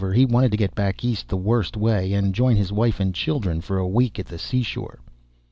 He wanted to get back East the worst way, and join his wife and children for a week at the seashore.